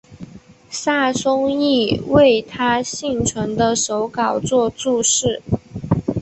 萨松亦为他幸存的手稿作注释。